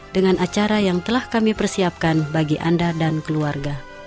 dengan acara yang telah kami persiapkan bagi anda dan keluarga